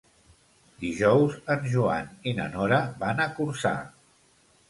Dijous en Joan i na Nora van a Corçà.